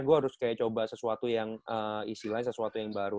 gue pengen coba sesuatu yang easy lain sesuatu yang baru